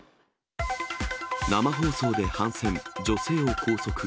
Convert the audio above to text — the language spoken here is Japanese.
生放送で反戦、女性を拘束。